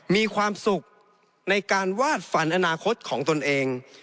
มีความสุขในการวาดฝันอนาคตของตนเอง